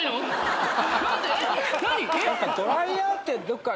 ドライヤーってどっか。